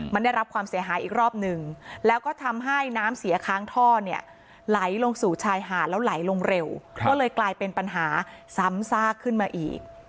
มันได้รับความเสียหายอีกรอบหนึ่งแล้วก็ทำให้น้ำเสียค้างท่อเนี่ยไหลลงสู่ชายหาดแล้วไหลลงเร็วก็เลยกลายเป็นปัญหาซ้ำซากขึ้นมาอีก